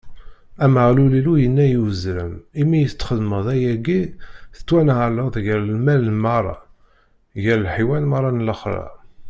Ameɣlal Illu yenna i uzrem: Imi i txedmeḍ ayagi, tettwaneɛleḍ gar lmal meṛṛa, gar lḥiwan meṛṛa n lexla.